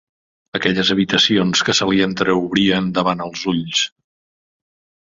Aquelles habitacions que se li entreobrien davant els ulls